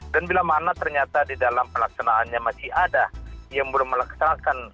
dan bila mana ternyata di dalam pelaksanaannya masih ada yang belum melaksanakan